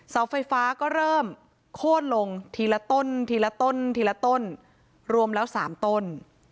เสาไฟฟ้าก็เริ่มโค้นลงทีละต้นทีละต้นทีละต้นรวมแล้ว๓ต้น